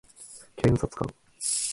検察官